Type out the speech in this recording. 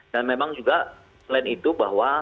dan memang juga selain itu bahwa